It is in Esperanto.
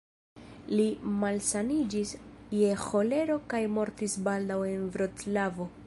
Li malsaniĝis je ĥolero kaj mortis baldaŭ en Vroclavo.